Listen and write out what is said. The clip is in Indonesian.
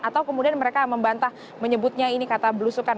atau kemudian mereka membantah menyebutnya ini kata belusukan